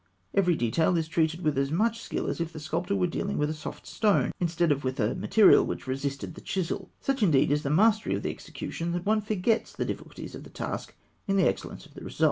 Every detail is treated with as much skill as if the sculptor were dealing with a soft stone instead of with a material which resisted the chisel. Such, indeed, is the mastery of the execution, that one forgets the difficulties of the task in the excellence of the results. [Illustration: Fig. 200.